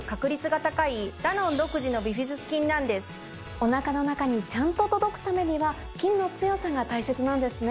お腹の中にちゃんと届くためには菌の強さが大切なんですね。